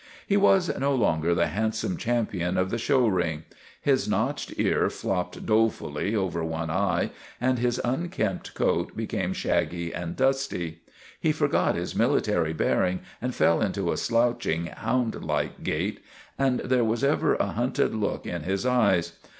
He was no longer the handsome champion of the show ring. His notched ear flopped dolefully over one eye and his unkempt coat became shaggy and dusty. He forgot his military bearing and fell into a slouching, hound like gait, and there was ever a hunted look in his eyes.